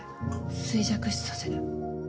衰弱死させる。